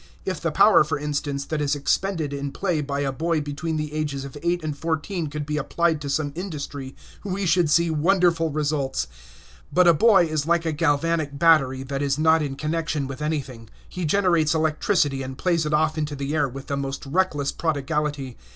If the power, for instance, that is expended in play by a boy between the ages of eight and fourteen could be applied to some industry, we should see wonderful results. But a boy is like a galvanic battery that is not in connection with anything; he generates electricity and plays it off into the air with the most reckless prodigality.